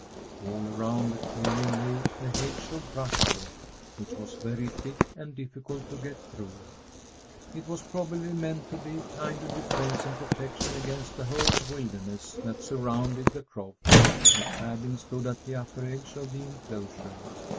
All around the clearing lay a hedge of brushwood, which was very thick and difficult to get through. It was probably meant to be a kind of defence and protection against the whole wilderness that surrounded the croft. The cabin stood at the upper edge of the enclosure.